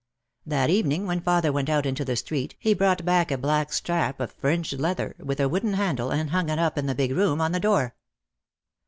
That evening when father went out into the street he brought back a black strap of fringed leather with a wooden handle and hung it up in the big room on the door.